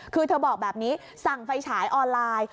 คือเธอบอกแบบนี้สั่งไฟฉายออนไลน์